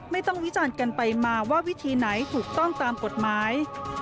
วิจารณ์กันไปมาว่าวิธีไหนถูกต้องตามกฎหมาย